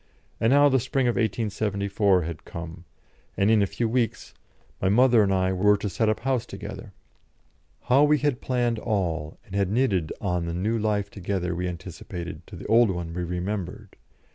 And now the spring of 1874 had come, and in a few weeks my mother and I were to set up house together. How we had planned all, and had knitted on the new life together we anticipated to the old one we remembered!